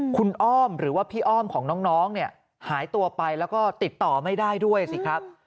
คุณอ้อมหรือว่าพี่อ้อมของน้องเนี่ยหายตัวไปแล้วก็ติดต่อไม่ได้ด้วยสิครับ